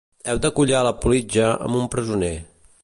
Heu de collar la politja amb un presoner